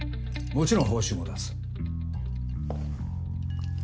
もちろん報酬も出す。